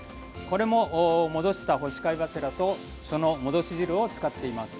これも戻した干し貝柱とその戻し汁を使っています。